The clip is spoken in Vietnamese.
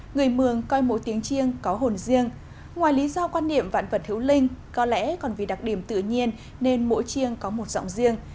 người mường coi mỗi tiếng chiêng có hồn riêng ngoài lý do quan niệm vạn vật hữu linh có lẽ còn vì đặc điểm tự nhiên nên mỗi chiêng có một giọng riêng